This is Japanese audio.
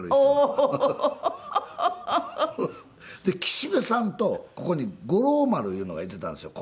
岸部さんとここに五郎丸いうのがいてたんですよ